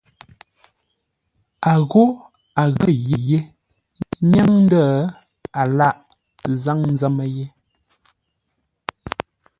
A ghô a ghʉ́ mə́ ye nyáŋ ndə̂ a lâghʼ zâŋ ńzə́mə́ yé.